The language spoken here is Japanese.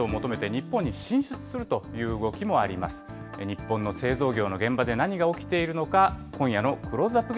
日本の製造業の現場で何が起きてるのか、今夜のクローズアップ